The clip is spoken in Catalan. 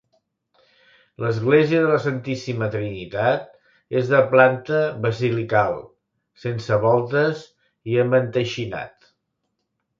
L'església de la Santíssima Trinitat és de planta basilical, sense voltes i amb enteixinat.